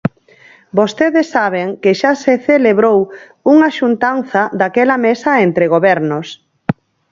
Vostedes saben que xa se celebrou unha xuntanza daquela mesa entre gobernos.